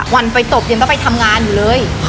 วันไปตบเด็กไปทำงานอยู่เลย